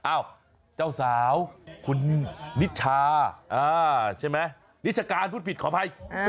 อ้าวเจ้าสาวคุณนิชาใช่ไหมนิชการพูดผิดขออภัย